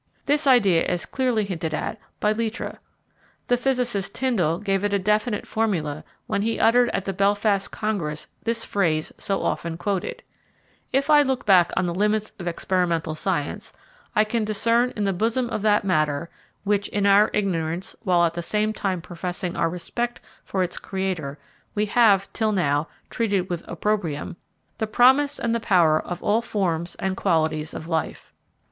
This idea is clearly hinted at by Littré. The physicist Tyndall gave it a definite formula when he uttered at the Belfast Congress this phrase so often quoted: "If I look back on the limits of experimental science, I can discern in the bosom of that matter (which, in our ignorance, while at the same time professing our respect for its Creator, we have, till now, treated with opprobrium) the promise and the power of all forms and qualities of life."